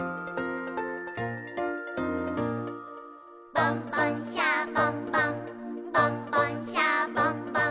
「ボンボン・シャボン・ボンボンボン・シャボン・ボン」